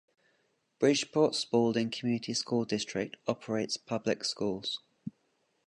Bridgeport-Spaulding Community School District operates public schools.